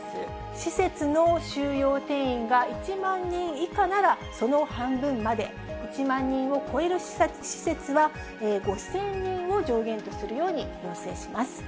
施設の収容定員が１万人以下なら、その半分まで、１万人を超える施設は５０００人を上限とするように要請します。